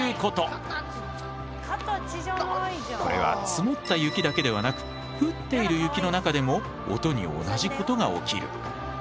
これは積もった雪だけではなく降っている雪の中でも音に同じことが起きる。